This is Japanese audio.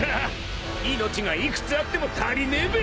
［命が幾つあっても足りねえべ］